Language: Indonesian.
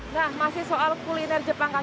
nah masih soal kuliner jepang kak cina